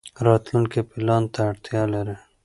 راتلونکی پلان ته اړتیا لري.